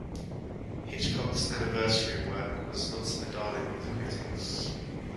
Hitchcock's anniversary work was not the darling of the critics.